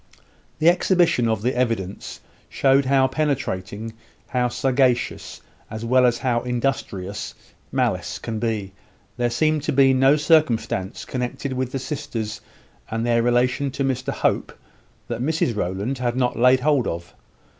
The exhibition of the evidence showed how penetrating, how sagacious, as well as how industrious, malice can be. There seemed to be no circumstance connected with the sisters and their relation to Mr Hope, that Mrs Rowland had not laid hold of.